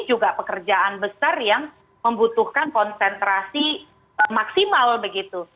juga pekerjaan besar yang membutuhkan konsentrasi maksimal begitu